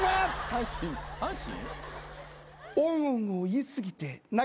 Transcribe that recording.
阪神阪神？